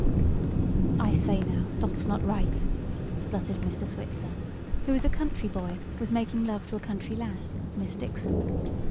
"I say now, dot's not right!" spluttered Mr. Switzer, who as a country boy was making love to a country lass, (Miss Dixon).